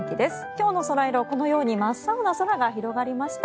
きょうのソライロご覧のように真っ青な空が広がりました。